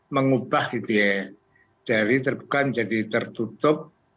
mengubah gitu ya dari terbuka menjadi tertutup